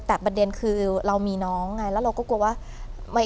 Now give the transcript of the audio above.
แต่ประเด็นคือเรามีน้องไงแล้วเราก็กลัวว่า